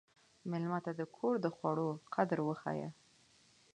مېلمه ته د کور د خوړو قدر وښیه.